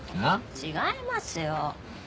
違いますよ。